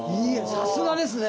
さすがですね。